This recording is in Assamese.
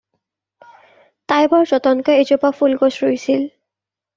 তাই বৰ যতনকৈ এজোপা ফুল-গছ ৰুইছিল।